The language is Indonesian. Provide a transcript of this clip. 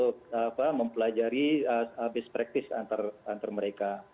untuk mempelajari best practice antar mereka